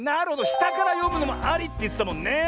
したからよむのもありってやつだもんね。